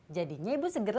jadinya ibu segera